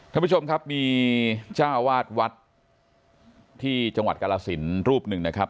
ท่านผู้ชมครับมีเจ้าวาดวัดที่จังหวัดกรสินรูปหนึ่งนะครับ